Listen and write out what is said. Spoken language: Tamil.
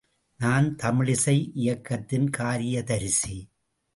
நான் தமிழிசை இயக்கத்தின் காரியதரிசி.